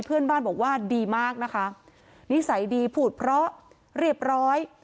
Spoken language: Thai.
เพื่อนบ้านบอกว่าดีมากนะคะนิสัยดีพูดเพราะเรียบร้อย